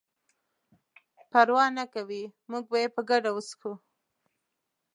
پروا نه کوي موږ به یې په ګډه وڅښو.